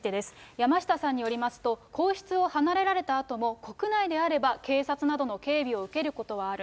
山下さんによりますと、皇室を離れられたあとも、国内であれば警察などの警備を受けることはある。